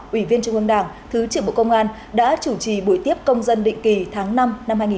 ủy viên trung ương đảng thứ trưởng bộ công an đã chủ trì buổi tiếp công dân định kỳ tháng năm năm hai nghìn hai mươi bốn